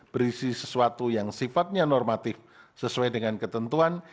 berisi sesuatu yang sifatnya normatif sesuai dengan ketentuan